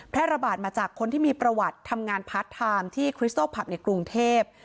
ระบาดมาจากคนที่มีประวัติทำงานพาร์ทไทม์ที่คริสตอลผับในกรุงเทพ